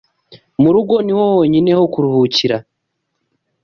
Murugo niho honyine ho kuruhukira